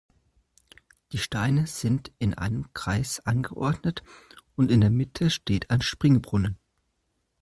Die Steine sind in einem Kreis angeordnet und in der Mitte steht ein Springbrunnen.